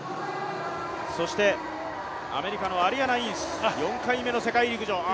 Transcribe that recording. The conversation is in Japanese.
そしてアメリカのアリアナ・インス４回目の世界陸上。